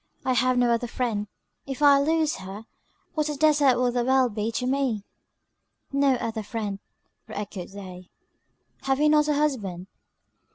I have no other friend; if I lose her, what a desart will the world be to me." "No other friend," re echoed they, "have you not a husband?"